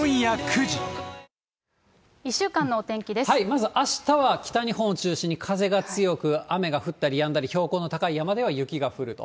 まず、あしたは北日本を中心に風が強く、雨が降ったりやんだり、標高の高い山では雪が降ると。